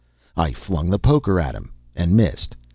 I flung the poker at him, and missed.